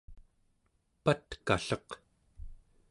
patkalleq